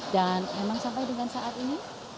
dan memang sampai dengan saat ini